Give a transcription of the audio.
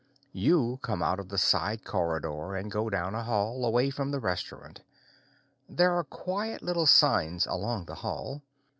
You come out of the side corridor and go down a hall, away from the restaurant. There are quiet little signs along the hall.